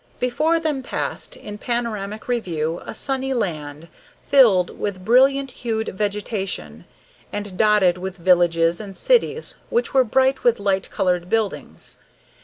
Before them passed, in panoramic review, a sunny land, filled with brilliant hued vegetation, and dotted with villages and cities which were bright with light colored buildings.